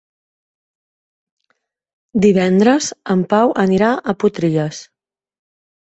Divendres en Pau anirà a Potries.